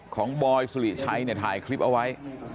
ของบอยสุริชัยถ่ายคลิปเอาไว้